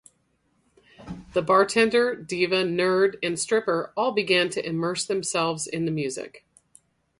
The bartender, diva, nerd and stripper all begin to immerse themselves in the music.